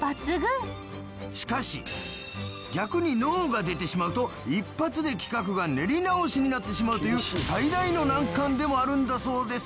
しかし逆にノーが出てしまうと一発で企画が練り直しになってしまうという最大の難関でもあるんだそうです。